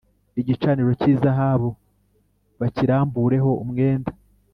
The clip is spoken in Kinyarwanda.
Igicaniro cy izahabu bakirambureho umwenda